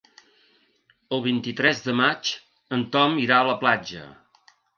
El vint-i-tres de maig en Tom irà a la platja.